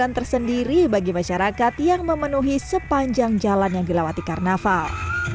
jalan tersendiri bagi masyarakat yang memenuhi sepanjang jalan yang dilewati karnaval